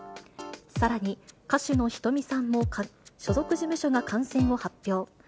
さらに、歌手のｈｉｔｏｍｉさんも所属事務所が感染を発表。